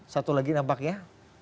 satu lagi nampaknya